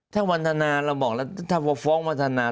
ถ้าวันทนาเราบอกแล้วถ้าว่าฟ้องวัฒนา